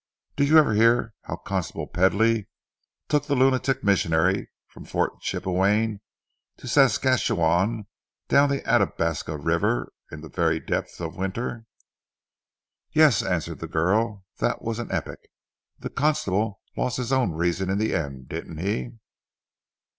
Did you ever hear how Constable Pedley took the lunatic missionary from Fort Chipewayn to Saskatchewan down the Athabasca River in the very depth of winter?" "Yes," answered the girl. "That was an epic. The constable lost his own reason in the end, didn't he?"